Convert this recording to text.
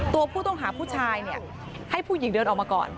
ตัวผู้ต้องหาผู้ชายให้ผู้หญิงเดินออกมาก่อน